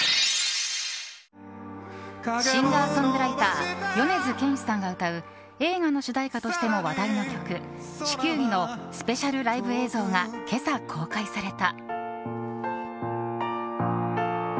シンガーソングライター米津玄師さんが歌う映画の主題歌としても話題の曲「地球儀」のスペシャルライブ映像が今朝、公開された。